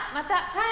はい。